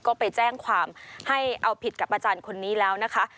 ก็ไปแจ้งความให้เอาผิดกับอาจารย์คนนี้แล้วนะคะ